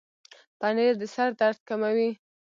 پنېر د سر درد کموي.